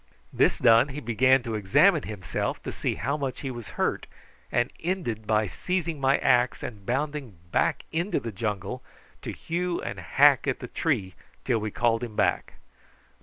This done he began to examine himself to see how much he was hurt, and ended by seizing my axe and bounding back into the jungle, to hew and hack at the tree till we called him back.